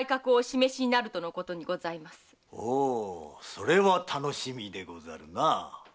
それは楽しみでござるな。